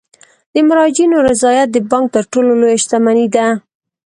د مراجعینو رضایت د بانک تر ټولو لویه شتمني ده.